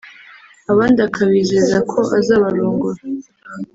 abandi akabizeza ko azabarongora